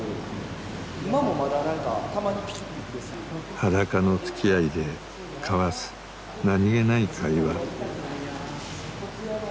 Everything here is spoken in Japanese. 裸のつきあいで交わす何気ない会話。